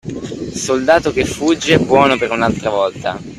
Soldato che fugge, buono per un'altra volta.